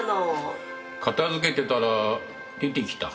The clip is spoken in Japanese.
片づけてたら出てきた。